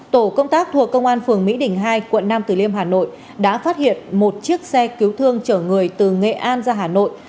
tổ công tác thuộc công an phường mỹ đình hai quận nam tử liêm hà nội đã phát hiện một chiếc xe cứu thương chở người từ nghệ an ra hà nội